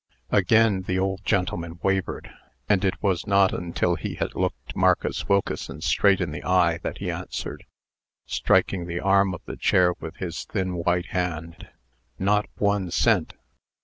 Again the old gentleman wavered; and it was not until he had looked Marcus Wilkeson straight in the eye, that he answered, striking the arm of the chair with his thin white hand: "Not one cent!"